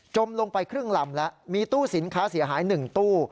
ลงไปครึ่งลำแล้วมีตู้สินค้าเสียหาย๑ตู้